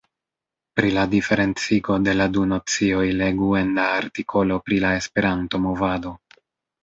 Pri la diferencigo de la du nocioj legu en la artikolo pri la Esperanto-movado.